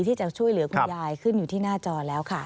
ที่จะช่วยเหลือคุณยายขึ้นอยู่ที่หน้าจอแล้วค่ะ